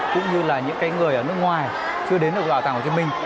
cũng như là những người ở nước ngoài chưa đến được bảo tàng hồ chí minh